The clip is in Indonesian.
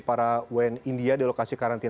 para wn india di lokasi karantina saat ini